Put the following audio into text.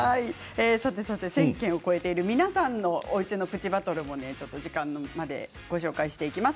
１０００件を超えている皆さんのおうちのプチバトルをご紹介します。